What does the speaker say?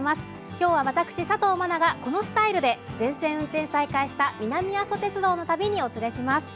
今日は私佐藤茉那がこのスタイルで全線運転再開した南阿蘇鉄道の旅にお連れします。